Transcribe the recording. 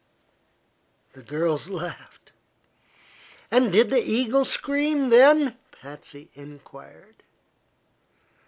The girls laughed. "And did the eagle scream, then?" Patsy enquired.